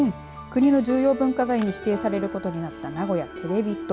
国の重要文化財に指定されることになった名古屋テレビ塔。